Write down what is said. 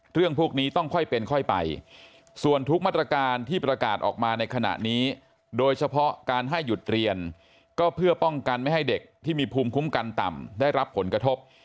หรือเรียนก็เพื่อป้องกันไม่ให้เด็กที่มีภูมิคุ้มกันต่ำได้รับผลกระทบ